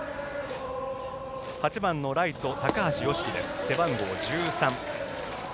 ８番のライト高橋祐稀背番号１３。